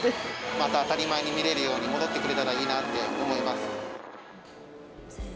また当たり前に見れるように、戻ってくれたらいいなって思います。